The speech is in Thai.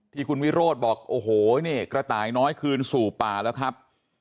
ที่คุณวิโรธบอกโอ้โหนี่กระต่ายน้อยคืนสู่ป่าแล้วครับ